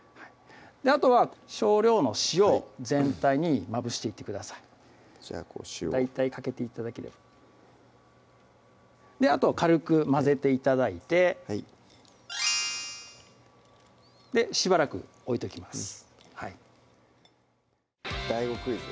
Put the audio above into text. あとは少量の塩を全体にまぶしていってくださいじゃあ塩を大体かけて頂ければあと軽く混ぜて頂いてはいしばらく置いときます